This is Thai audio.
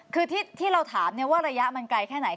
คือที่เราถามว่าระยะมันไกลแค่ไหน